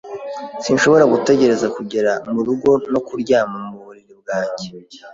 Sinshobora gutegereza kugera mu rugo no kuryama mu buriri bwanjye.